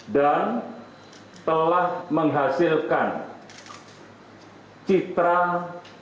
dan telah menghasilkan citra bawah kaki